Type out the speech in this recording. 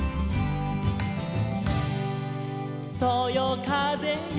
「そよかぜよ